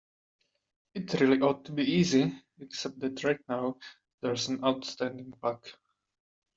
It really ought to be easy, except that right now there's an outstanding bug.